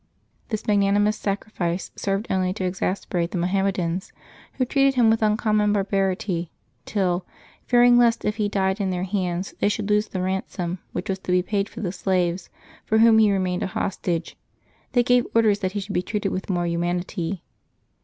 This magnanimous sacrifice served only to exas perate the Moharmnedans, who treated him with uncommon barbarity, till, fearing lest if he died in their hands they should lose the ransom which was to be paid for the slaves for whom he remained a hostage, they gave orders that he should be treated with more humanity.